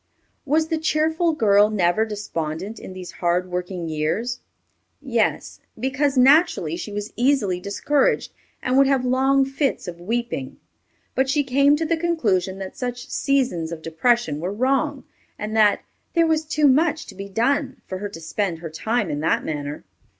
Was the cheerful girl never despondent in these hard working years? Yes; because naturally she was easily discouraged, and would have long fits of weeping; but she came to the conclusion that such seasons of depression were wrong, and that "there was too much to be done, for her to spend her time in that manner."